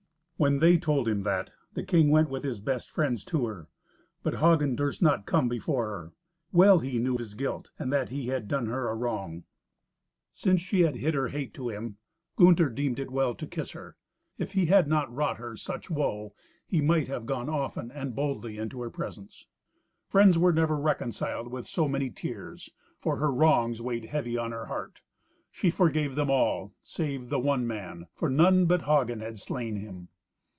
When they told him that, the king went with his best friends to her. But Hagen durst not come before her. Well he knew his guilt, and that he had done her a wrong. Since she had hid her hate to him, Gunther deemed it well to kiss her. If he had not wrought her such woe, he might have gone often and boldly into her presence. Friends were never reconciled with so many tears, for her wrongs weighed heavy on her heart. She forgave them all, save the one man, for none but Hagen had slain him.